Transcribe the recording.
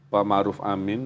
pak maruf amin